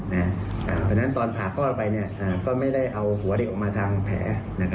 เพราะฉะนั้นตอนผ่าคลอดไปก็ไม่ได้เอาหัวเด็กออกมาทางแผล